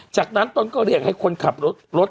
จากนั้นตนก็เรียกให้คนขับรถรถ